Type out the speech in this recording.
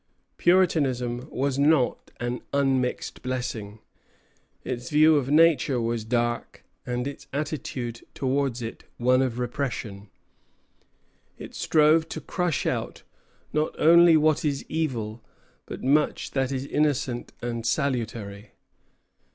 Puritanism was not an unmixed blessing. Its view of human nature was dark, and its attitude towards it one of repression. It strove to crush out not only what is evil, but much that is innocent and salutary.